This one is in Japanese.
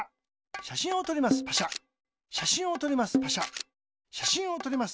しゃしんをとります。